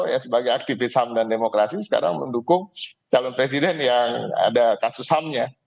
ya sebagai aktivis ham dan demokrasi sekarang mendukung calon presiden yang ada kasus hamnya